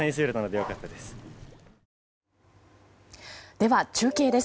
では中継です。